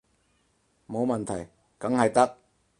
冇問題，梗係得